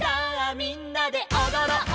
みんなでおどろう」